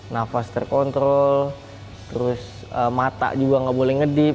nafas terkontrol mata juga gak boleh ngedip